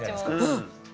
うん。